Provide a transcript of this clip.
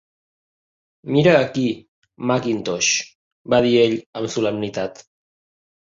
"Mira aquí, Mackintosh", va dir ell amb solemnitat.